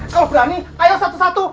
kalau berani ayo satu satu